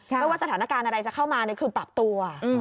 ไม่ว่าสถานการณ์อะไรจะเข้ามาคือปรับตัว